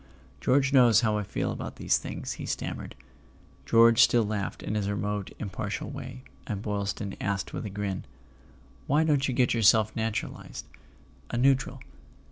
"George knows how I feel about these things," he stammered. George still laughed in his remote impartial way, and Boylston asked with a grin: "Why don't you get yourself naturalized—a neutral?"